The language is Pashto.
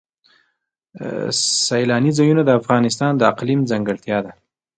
سیلانی ځایونه د افغانستان د اقلیم ځانګړتیا ده.